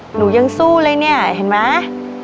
หนูยังสู้เลยเนี่ยเห็นไหม